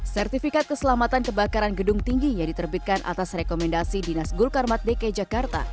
sertifikat keselamatan kebakaran gedung tinggi yang diterbitkan atas rekomendasi dinas gulkarmat dki jakarta